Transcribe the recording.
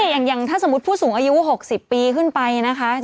อย่างถ้าสมมุติผู้สูงอายุ๖๐ปีขึ้นไปนะคะ